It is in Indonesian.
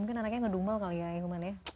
mungkin anaknya ngedumel kali ya ilman ya